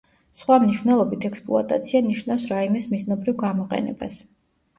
სხვა მნიშვნელობით ექსპლუატაცია ნიშნავს რაიმეს მიზნობრივ გამოყენებას.